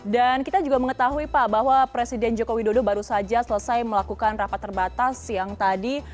dan kita juga mengetahui pak bahwa presiden joko widodo baru saja selesai melakukan rapat terbatas siang tadi